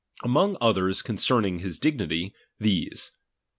Among others concerning his dignity, these.